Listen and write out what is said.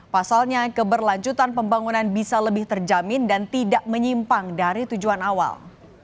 pasalnya keberlanjutan pembangunan bisa lebih terjamin dan tidak menyimpang dari tujuan awal